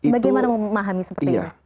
bagaimana memahami seperti itu